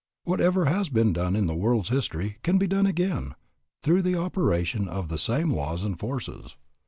Whatever has been done in the world's history can be done again through the operation of the same laws and forces.